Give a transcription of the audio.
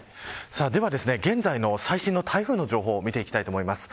現在の最新の台風の情報を見ていきたいと思います。